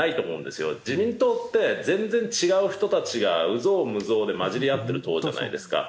自民党って全然違う人たちが有象無象で交じり合ってる党じゃないですか。